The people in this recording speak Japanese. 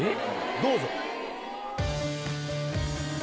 どうぞ。